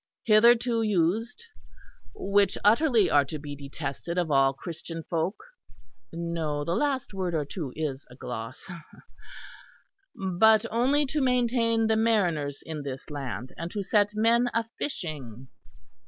hitherto used, which utterly are to be detested of all Christian folk'; (no, the last word or two is a gloss), 'but only to maintain the mariners in this land, and to set men a fishing.'